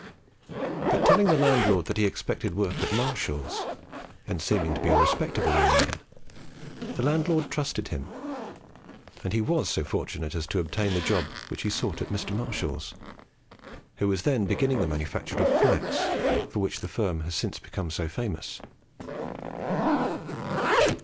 But telling the landlord that he expected work at Marshall's, and seeming to be a respectable young man, the landlord trusted him; and he was so fortunate as to obtain the job which he sought at Mr. Marshall's, who was then beginning the manufacture of flax, for which the firm has since become so famous.